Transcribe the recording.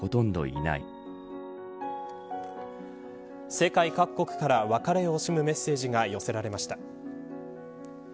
世界各国から別れを惜しむメッセージが寄せられました。